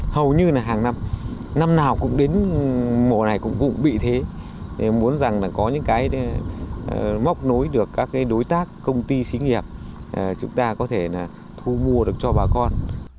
hầu như là hàng năm năm nào cũng đến mổ này cũng bị thế muốn rằng là có những cái móc nối được các đối tác công ty xí nghiệp chúng ta có thể là thu mua được cho bà con